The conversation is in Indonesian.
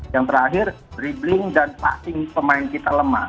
yang terakhir dribbling dan pasting pemain kita lemah